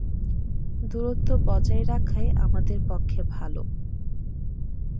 দূরত্ব বজায় রাখাই আমাদের পক্ষে ভালো।